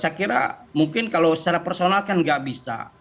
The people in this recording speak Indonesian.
saya kira mungkin kalau secara personal kan gak ada